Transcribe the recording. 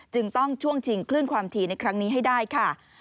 จึงต้องช่วงชิงคลื่นความถี่ในครั้งนี้ให้ได้ค่ะ